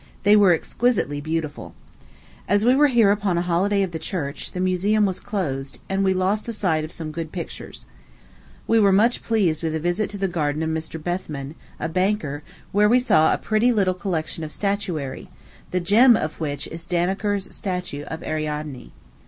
They were exquisitely beautiful. As we were here upon a holiday of the church, the Museum was closed, and we lost the sight of some good pictures. We were much pleased with a visit to the garden of Mr. Bethman, a banker, where we saw a pretty little collection of statuary, the gem of which is Dannecker's statue of Ariadne.